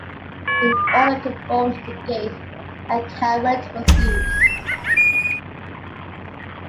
In order to bolt the gate, a carrot was used.